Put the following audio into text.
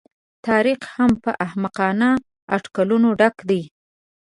تاریخ هم په احمقانه اټکلونو ډک دی.